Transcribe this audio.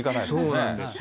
そうなんですよ。